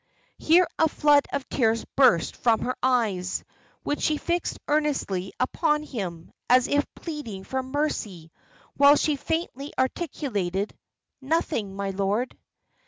Here a flood of tears burst from her eyes, which she fixed earnestly upon him, as if pleading for mercy, while she faintly articulated, "Nothing, my lord."